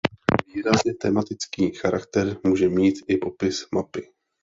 Výrazně tematický charakter může mít i popis mapy.